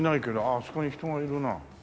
あああそこに人がいるな。